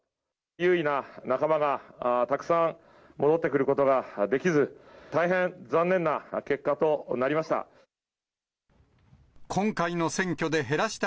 有為な仲間がたくさん戻ってくることができず、大変残念な結果となりました。